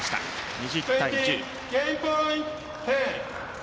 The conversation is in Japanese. ２０対１０。